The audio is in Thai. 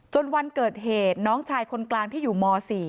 วันเกิดเหตุน้องชายคนกลางที่อยู่ม๔